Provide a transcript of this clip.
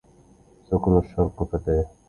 ثكل الشرق فتاه